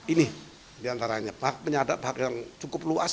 ini diantaranya hak penyadap hak yang cukup luas